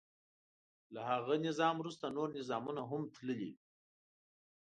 له هغه نظام وروسته نور نظامونه هم تللي.